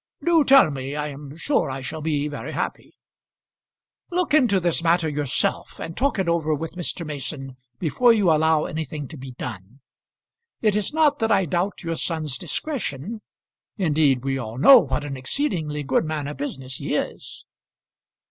"Do tell me; I am sure I shall be very happy." "Look into this matter yourself, and talk it over with Mr. Mason before you allow anything to be done. It is not that I doubt your son's discretion. Indeed we all know what an exceedingly good man of business he is."